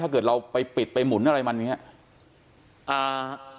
เกิดเราไปปิดไปหมุนอะไรมันอย่างนี้